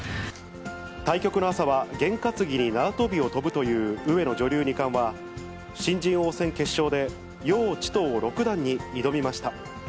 対局の朝は、験担ぎに縄跳びを跳ぶという上野女流二冠は、新人王戦決勝で、姚智騰六段に挑みました。